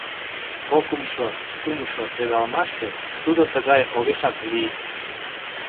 Кокымшо, кумшо кредалмаште тудо тыгай огешак лий...